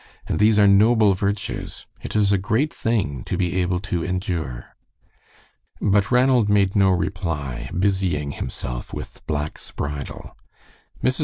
"And these are noble virtues. It is a great thing to be able to endure." But Ranald made no reply, busying himself with Black's bridle. Mrs.